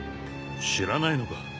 知らないのか？